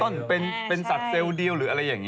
เขาอาจจะเป็นแบบพวกแพงต้นเป็นสัตว์เซลล์เดียวหรืออะไรอย่างนี้